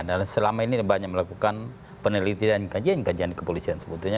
dan selama ini banyak melakukan penelitian dan kajian kajian kepolisian sebetulnya